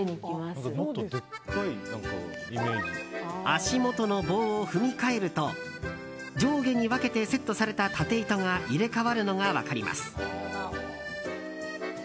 足元の棒を踏み替えると上下に分けてセットされた縦糸が入れ替わるのが分かります。